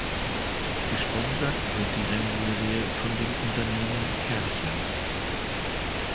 Gesponsert wird die Rennserie von dem Unternehmen Kärcher.